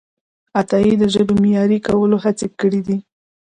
عطایي د ژبې د معیاري کولو هڅې کړیدي.